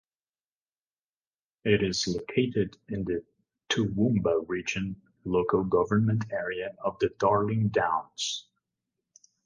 It is located in the Toowoomba Region local government area of the Darling Downs.